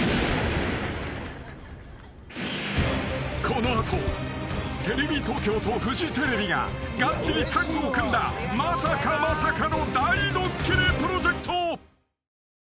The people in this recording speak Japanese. ［この後テレビ東京とフジテレビががっちりタッグを組んだまさかまさかの大ドッキリプロジェクト］